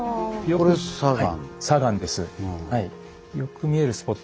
これ砂岩。